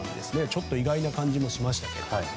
ちょっと意外な感じもしましたけど。